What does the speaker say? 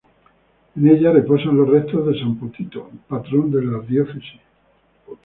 En ella reposan los restos de san Potito, patrón de la diócesis.